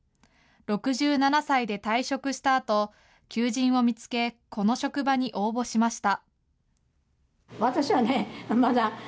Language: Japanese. ６７歳で退職したあと、求人を見つけ、この職場に応募しました。